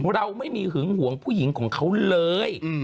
เราไม่มีหึงห่วงผู้หญิงของเขาเลย